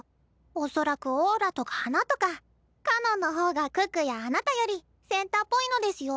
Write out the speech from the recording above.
恐らくオーラとか華とかかのんの方が可可やあなたよりセンターっぽいのデスよ。